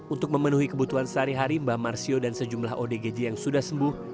untuk memenuhi kebutuhan sehari hari mbah marsio dan sejumlah odgj yang sudah sembuh